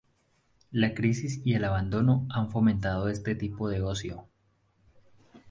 La crisis y el abandono han fomentado este tipo de ocio.